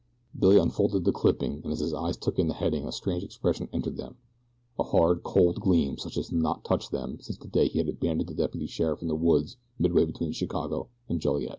Billy unfolded the clipping and as his eyes took in the heading a strange expression entered them a hard, cold gleam such as had not touched them since the day that he abandoned the deputy sheriff in the woods midway between Chicago and Joliet.